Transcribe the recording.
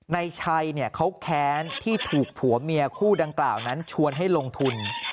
ในชัยเขาแค้นที่ถูกผัวเมียคู่ดังกล่าวนั้นชวนให้ลงทุน